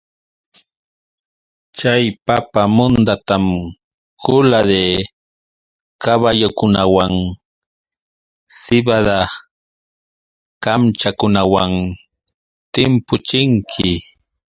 Chay papa mundatam kula de kaballukunawan sibada kamchakunawan timpuchinki.